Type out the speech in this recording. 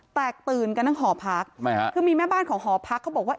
แตกตื่นกันทั้งหอพักไม่ฮะคือมีแม่บ้านของหอพักเขาบอกว่า